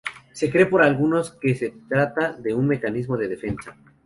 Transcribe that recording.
Se cree por algunos que se trata de un mecanismo de defensa.